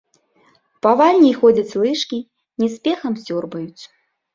Павальней ходзяць лыжкі, не з спехам сёрбаюць.